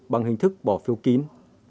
bằng hình thức bỏ phiêu kín